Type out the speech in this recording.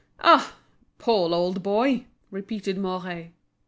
"Ah! Paul, old boy," repeated Mouret.